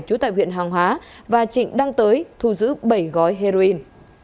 trú tại huyện hoàng hóa và trịnh đăng tới thu giữ bảy gói heroin